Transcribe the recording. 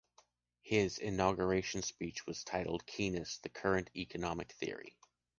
His inauguration speech was titled “Keynes and Current Economic theory.”